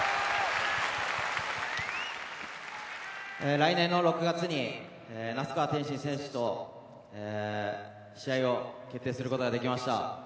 来年の６月に、那須川天心選手と試合を決定することができました。